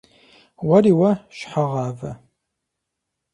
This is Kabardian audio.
- Уэри уэ, щхьэгъавэ!